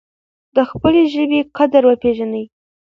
د خپلې ژبې قدر وپیژنئ.